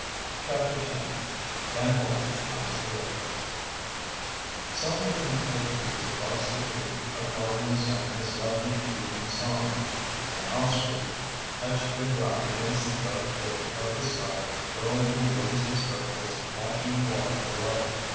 CHAPTER X Ken Holt Comes Through Somewhere in the oak trees across the creek a cardinal sang his lovely evening song. An osprey, etched in black against the dark blue of the sky, whirled in lazy circles watching the water below.